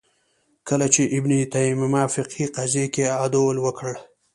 کله چې ابن تیمیه فقهې قضیې کې عدول وکړ